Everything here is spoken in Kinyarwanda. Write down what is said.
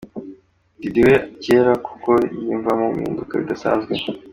Diddy wa kera kuko yiyumvamo guhinduka bidasanzwe.